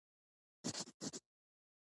د پرسیاوشان بوټی د څه لپاره وکاروم؟